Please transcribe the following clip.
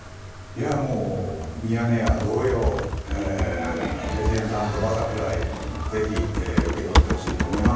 もう、ミヤネ屋同様、レジェンド＆バタフライ、ぜひ、受け取ってほしいと思います。